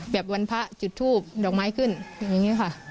แบบวันพระจุดทูบดอกไม้ขึ้นอย่างนี้ค่ะ